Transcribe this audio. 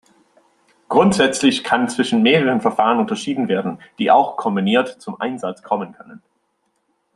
Grundsätzlich kann zwischen mehreren Verfahren unterschieden werden, die auch kombiniert zum Einsatz kommen können.